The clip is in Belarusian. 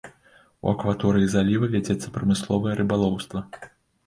У акваторыі заліва вядзецца прамысловае рыбалоўства.